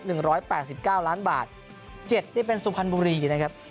หนึ่งร้อยแปดสิบเก้าล้านบาทเจ็ดนี่เป็นสุพรรณบุรีนะครับ